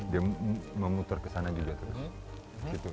dia memutar ke sana juga terus